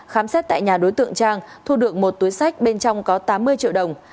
khám xét tại nhà đối tượng trang thu được một túi sách bên trong có tám mươi triệu đồng